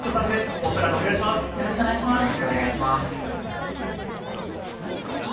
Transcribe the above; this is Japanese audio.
お二方、よろしくお願いします。